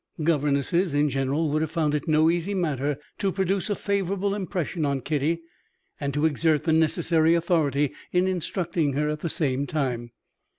Governesses in general would have found it no easy matter to produce a favorable impression on Kitty, and to exert the necessary authority in instructing her, at the same time.